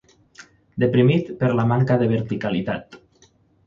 Deprimit per la manca de verticalitat.